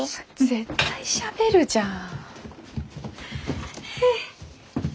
絶対しゃべるじゃん。